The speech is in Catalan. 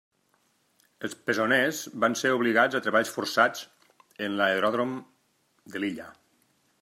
Els presoners van ser obligats a treballs forçats en l'aeròdrom de l'illa.